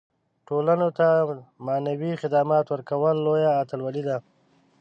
ټولنو ته معنوي خدمات ورکول لویه اتلولي ده.